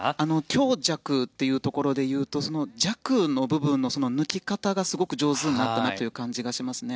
強弱というところでいうとその弱の部分の抜き方がすごく上手になったなという感じがしますね。